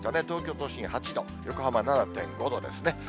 東京都心８度、横浜７．５度ですね。